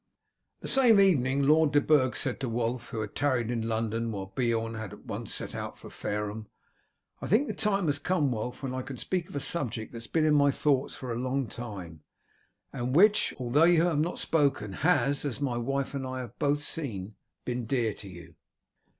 The same evening Lord de Burg said to Wulf, who had tarried in London, while Beorn had at once set out for Fareham: "I think the time has come, Wulf, when I can speak of a subject that has been in my thoughts for a long time, and which, although you have not spoken, has, as my wife and I have both seen, been dear to you.